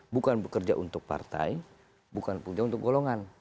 bukan bekerja untuk partai bukan bekerja untuk golongan